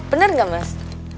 bener gak mas